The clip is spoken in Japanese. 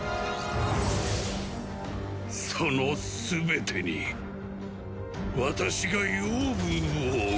その全てに私が養分を送った。